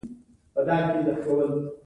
بزګر باید په مشخص وخت کې د فیوډال کار کړی وای.